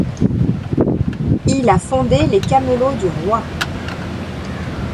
Il a fondé les Camelots du roi.